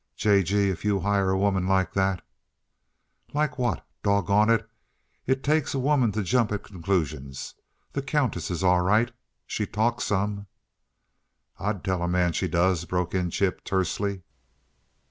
"J. G., if you hire a woman like that " "Like what? Doggone it, it takes a woman to jump at conclusions! The Countess is all right. She talks some " "I'd tell a man she does!" broke in Chip, tersely.